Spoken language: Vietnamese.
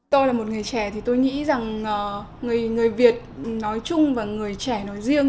tôi là một người trẻ thì tôi nghĩ rằng người việt nói chung và người trẻ nói riêng